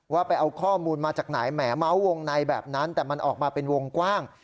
ว่าไปเอาข้อมูลมาจากไหนแหมเมาส์วงในแบบนั้นแต่มันออกมาเป็นวงกว้าง